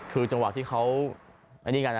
คือจังหวัดที่เขาไหนเนี่ยกันน่ะ